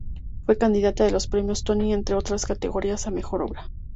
Fue candidata de los Premios Tony, entre otras categorías, a mejor obra.